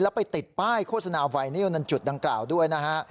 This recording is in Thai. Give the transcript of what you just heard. แล้วไปติดป้ายโฆษณาไวนิวในจุดดังกล่าวด้วยนะฮะ